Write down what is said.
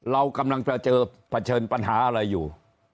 เรากำลังเผชิญปัญหาอะไรอยู่